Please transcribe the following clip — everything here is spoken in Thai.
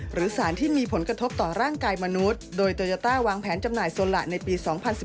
หรือสารที่มีผลกระทบต่อร่างกายมนุษย์โดยโตโยต้าวางแผนจำหน่ายโซละในปี๒๐๑๘